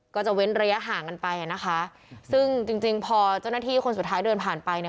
ก็จะเว้นระยะห่างกันไปอ่ะนะคะซึ่งจริงจริงพอเจ้าหน้าที่คนสุดท้ายเดินผ่านไปเนี่ย